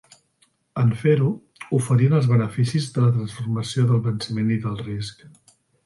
En fer-ho, oferien els beneficis de la transformació del venciment i del risc.